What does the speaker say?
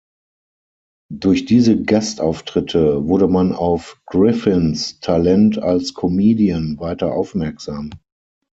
Durch diese Gastauftritte wurde man auf Griffins Talent als Comedian weiter aufmerksam.